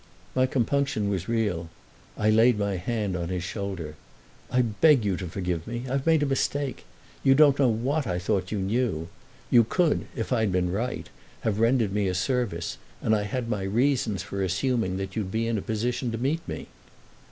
My compunction was real; I laid my hand on his shoulder. "I beg you to forgive me—I've made a mistake. You don't know what I thought you knew. You could, if I had been right, have rendered me a service; and I had my reasons for assuming that you'd be in a position to meet me."